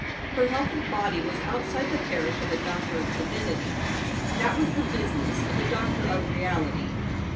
Her health of body was outside the parish of a doctor of divinity; that was the business of a doctor of reality.